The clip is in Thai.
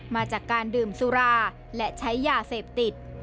มาจากการดื่มสุราและใช้ยาเสพติด